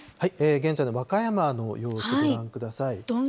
現在の和歌山の様子、ご覧ください。